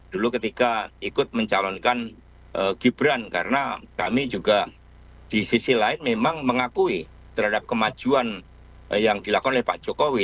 dulu ketika ikut mencalonkan gibran karena kami juga di sisi lain memang mengakui terhadap kemajuan yang dilakukan oleh pak jokowi